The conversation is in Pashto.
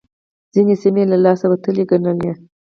ځينې سيمې يې له لاسه وتلې ګڼلې.